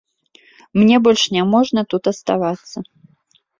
Мне больш няможна тут аставацца.